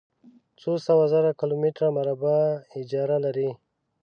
څو سوه زره کلومتره مربع اېجره لري.